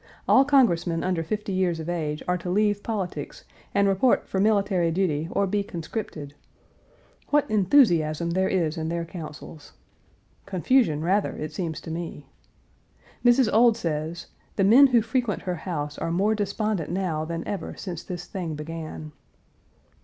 All Congressmen under fifty years of age are to leave politics and report for military duty or be conscripted. What enthusiasm there is in their councils! Confusion, rather, it seems to me! Mrs. Ould says "the men who frequent her house are more despondent now than ever since this thing began."